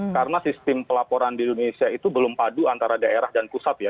karena sistem pelaporan di indonesia itu belum padu antara daerah dan pusat ya